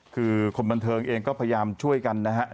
คือคนบันเทิงเองก็พยายามช่วยกันนะครับ